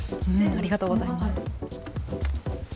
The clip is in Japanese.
ありがとうございます。